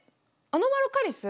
アノマロカリス？